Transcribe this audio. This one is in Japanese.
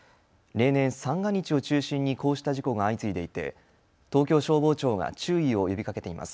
例年三が日を中心にこうした事故が相次いでいて東京消防庁が注意を呼びかけています。